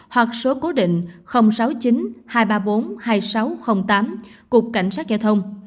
hoặc số cố định sáu mươi chín hai trăm ba mươi bốn hai nghìn sáu trăm linh tám cục cảnh sát giao thông